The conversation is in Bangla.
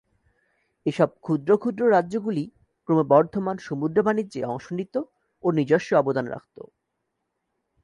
এসব ক্ষুদ্র ক্ষুদ্র রাজ্যগুলি ক্রমবর্ধমান সমুদ্র বাণিজ্যে অংশ নিত ও নিজস্ব অবদান রাখত।